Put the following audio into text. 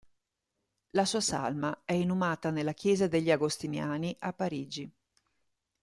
La sua salma è inumata nella chiesa degli agostiniani a Parigi.